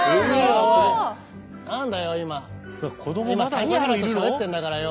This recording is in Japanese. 谷原としゃべってんだからよ。